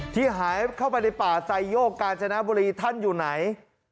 ที่หายเข้าไปในป่าไซโยกกาญจนบุรีท่านอยู่ไหน